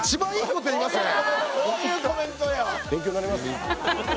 こういうコメントよ。